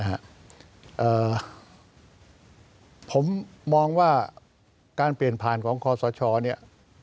นะฮะผมมองว่าการเปลี่ยนผ่านของข้อสะท้อนี้